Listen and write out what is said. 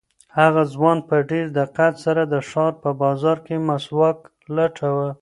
هغه ځوان په ډېر دقت سره د ښار په بازار کې مسواک لټاوه.